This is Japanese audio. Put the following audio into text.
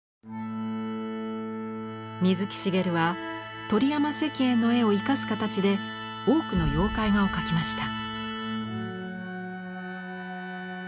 水木しげるは鳥山石燕の絵を生かす形で多くの妖怪画を描きました。